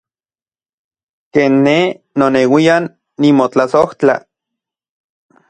Ken ne noneuian nimotlasojtla.